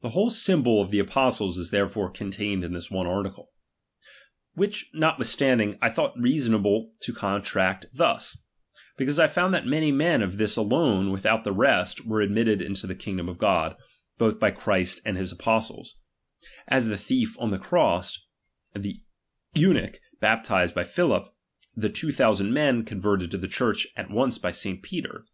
The whole symbol of the apostles is there ^M fore contained in this one article. Which, notwithstanding, I ^| thought reasonable to contract thus ; because I found that many ^U men for this alone, without the rest, were admitted into the king ^M dom of God, both by Christ and his apostles ; as the thief on the ^| cross, the eunuch baptized by Fhili[), the two thousand men con ^M verted to the Church at once by St. Peter.